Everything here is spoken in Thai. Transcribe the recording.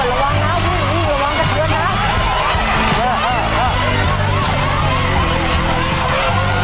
นี่ล่ะตีร้านมาจนยืนพรุษแล้วนะคะตีร้านแล้วนะคะ